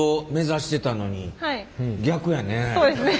そうですね